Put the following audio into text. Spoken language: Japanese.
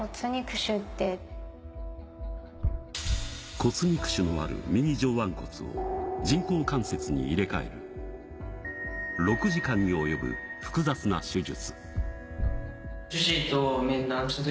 骨肉腫のある右上腕骨を人工関節に入れ替える６時間に及ぶ複雑な手術。